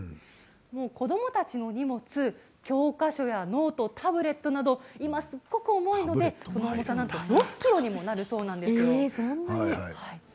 子どもたちの荷物教科書やノート、タブレットなど今すごく重たいのでその重さ、６ｋｇにもそんなに？